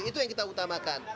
itu yang kita utamakan